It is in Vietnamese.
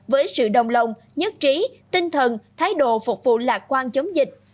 với sự đồng lòng nhất trí tinh thần thái độ phục vụ lạc quan chống dịch